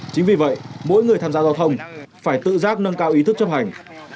chính vì vậy mỗi người tham gia giao thông phải tự giác nâng cao ý thức chấp hành